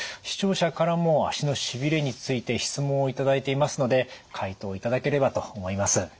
視聴者からも足のしびれについて質問を頂いていますので回答いただければと思います。